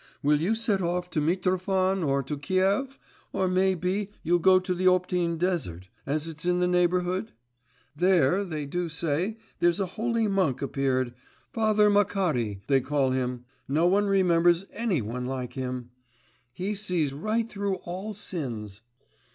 Will you set off to Mitrophan or to Kiev, or may be you'll go to the Optin desert, as it's in the neighbourhood? There, they do say, there's a holy monk appeared … Father Makary they call him, no one remembers any one like him! He sees right through all sins.